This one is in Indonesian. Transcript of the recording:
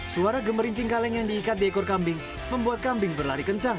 suara gemerincing kaleng yang diikat di ekor kambing membuat kambing berlari kencang